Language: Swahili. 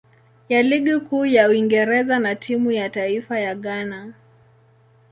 ya Ligi Kuu ya Uingereza na timu ya taifa ya Ghana.